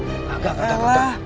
enggak enggak enggak